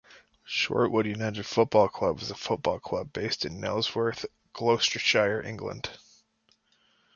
Shortwood United Football Club is a football club based in Nailsworth, Gloucestershire, England.